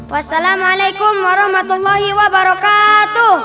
wassalamualaikum warahmatullahi wabarakatuh